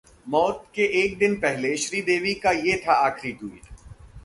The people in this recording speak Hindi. मौत से एक दिन पहले श्रीदेवी का ये था आखिरी ट्वीट